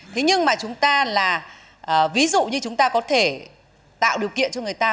thế nhưng mà chúng ta là ví dụ như chúng ta có thể tạo điều kiện cho người ta